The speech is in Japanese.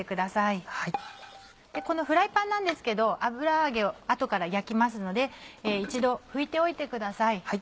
このフライパンなんですけど油揚げを後から焼きますので一度拭いておいてください。